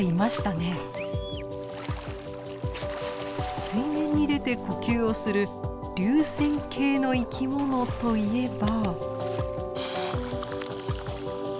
水面に出て呼吸をする流線型の生き物といえば。